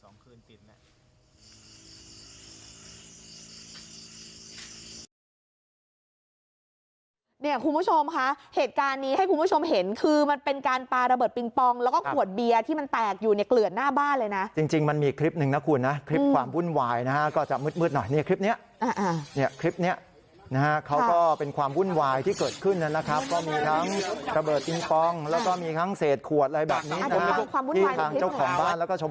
คุณผู้ชมค่ะเหตุการณ์นี้ให้คุณผู้ชมเห็นคือมันเป็นการปลาระเบิดปิงปองแล้วก็ขวดเบียร์ที่มันแตกอยู่ในเกลือนหน้าบ้านเลยนะจริงจริงมันมีคลิปหนึ่งนะคุณนะคลิปความวุ่นวายนะฮะก็จะมืดมืดหน่อยเนี่ยคลิปนี้เนี่ยคลิปเนี้ยนะฮะเขาก็เป็นความวุ่นวายที่เกิดขึ้นนะครับก็มีทั้งระเบิดปิงปองแล้วก็มีทั้งเศษขวดอะไรแบบนี้